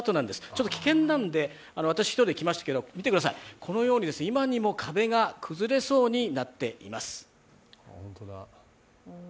ちょっと危険なので、私１人で来ましたけど、見てください、このように今にも壁が崩れそうになっています。